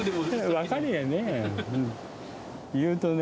分かるよね。